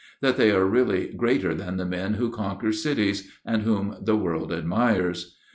That they are really greater than the men who conquer cities, and whom the world admires.